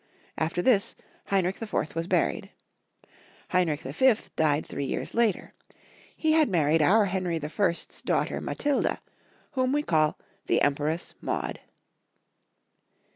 After this Heinrich IV. was buried. Heinrich V. died three years later. He had married our Henry the First's daughter Matilda, whom we call the Empress Maude.